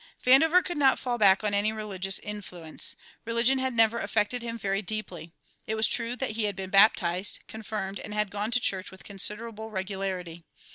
Vandover could not fall back on any religious influence. Religion had never affected him very deeply. It was true that he had been baptized, confirmed, and had gone to church with considerable regularity.